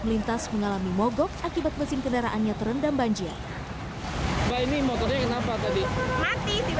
melintas mengalami mogok akibat mesin kendaraannya terendam banjir bainin motornya kenapa tadi mati di